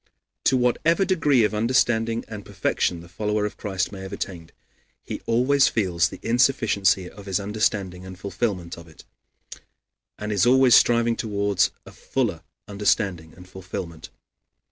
To whatever degree of understanding and perfection the follower of Christ may have attained, he always feels the insufficiency of his understanding and fulfillment of it, and is always striving toward a fuller understanding and fulfillment.